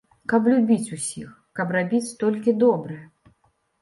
Каб любіць усіх, каб рабіць толькі добрае.